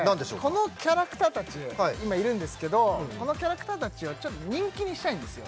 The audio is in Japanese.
このキャラクター達今いるんですけどこのキャラクター達をちょっと人気にしたいんですよ